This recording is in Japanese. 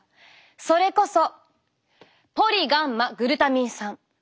それこそポリガンマグルタミン酸。